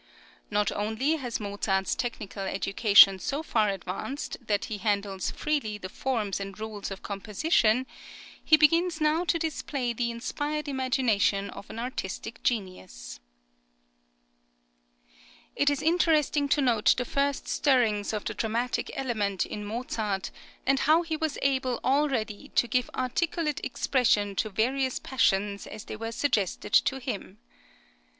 Not only has Mozart's technical education so far advanced, that he handles freely the forms and rules of composition; he begins now to display the inspired imagination of an artistic genius. It is interesting to note the first stirrings of the dramatic element in Mozart, and how he was able already to give articulate expression to various passions as they were suggested to him.